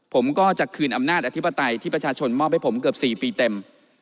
ผมก็จะคืนอำนาจอธิปไตยที่ประชาชนมอบให้ผมเกือบ๔ปีเต็ม